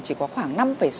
chỉ có khoảng năm sáu